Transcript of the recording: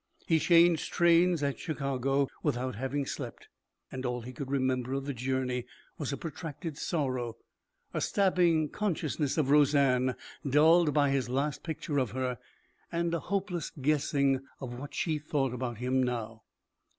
He changed trains at Chicago without having slept, and all he could remember of the journey was a protracted sorrow, a stabbing consciousness of Roseanne, dulled by his last picture of her, and a hopeless guessing of what she thought about him now.